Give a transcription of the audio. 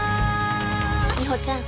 美帆ちゃん